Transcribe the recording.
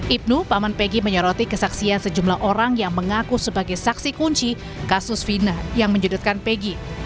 ibnu paman pegi menyoroti kesaksian sejumlah orang yang mengaku sebagai saksi kunci kasus fina yang menjudutkan pegi